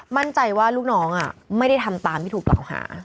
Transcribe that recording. มั่นใจว่าลูกน้องไม่ได้ทำตามที่ถูกกล่าวหา